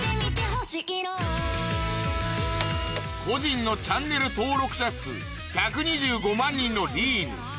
個人のチャンネル登録者数１２５万人の莉犬